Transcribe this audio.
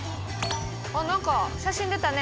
あっ何か写真出たね。